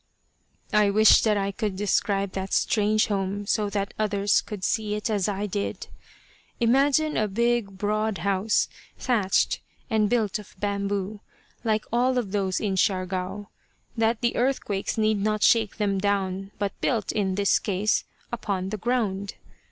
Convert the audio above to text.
I wish that I could describe that strange home so that others could see it as I did. Imagine a big, broad house, thatched, and built of bamboo, like all of those in Siargao, that the earthquakes need not shake them down, but built, in this case, upon the ground.